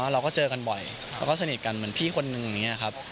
เราก็เจอกันบ่อยเราก็สนิทกันเหมือนพี่คนนึงอย่างนี้ครับ